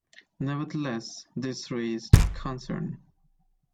Nevertheless, this raised concern.